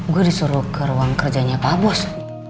gue disuruh ke ruang kerjanya pak bos